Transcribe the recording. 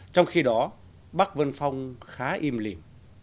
trong khi đó bắc vân phong khá im lìm